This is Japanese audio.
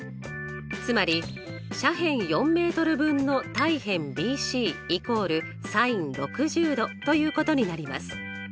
つまり斜辺４ｍ分の対辺ＢＣイコールｓｉｎ６０°ということになります。